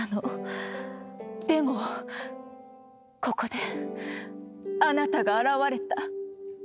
でもここであなたが現れた。